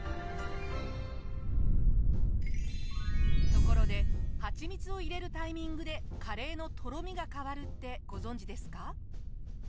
ところではちみつを入れるタイミングでカレーのとろみが変わるってご存じですか？